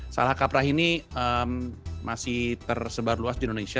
salah kaprah ini masih tersebar luas di indonesia